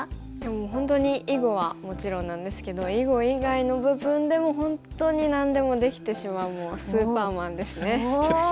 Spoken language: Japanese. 本当に囲碁はもちろんなんですけど囲碁以外の部分でも本当に何でもできてしまうもうスーパーマンですね。